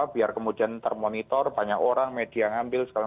biar kemudian termonitor banyak orang media ngambil segala macam